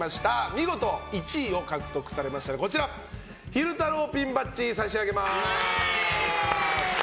見事１位を獲得されましたら昼太郎ピンバッジを差し上げます。